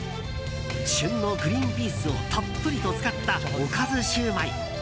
旬のグリーンピースをたっぷりと使ったおかずシューマイ。